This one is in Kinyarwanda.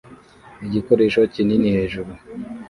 igikoresho Kinini hejuru